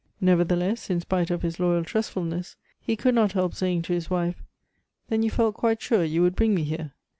Nevertheless, in spite of his loyal trustfulness, he could not help saying to his wife: "Then you felt quite sure you would bring me here?"